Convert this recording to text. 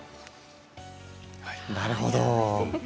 なるほど。